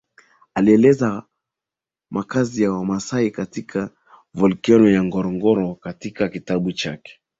Alieleza makazi ya wamasai katika volkeno ya Ngorongoro katika kitabu chake